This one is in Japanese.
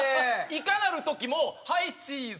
いかなる時も「はいチーズ！」